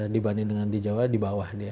dibandingkan di jawa di bawah